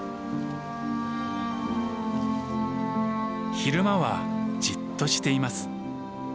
昼間はじっとしています。